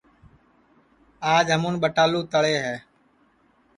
آج ہمون ٻٹالو تݪے ہے